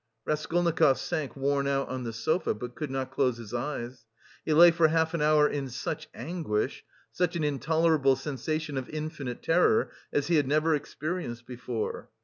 Raskolnikov sank worn out on the sofa, but could not close his eyes. He lay for half an hour in such anguish, such an intolerable sensation of infinite terror as he had never experienced before.